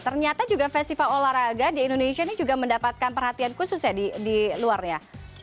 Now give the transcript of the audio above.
ternyata juga festival olahraga di indonesia ini juga mendapatkan perhatian khusus ya di luar ya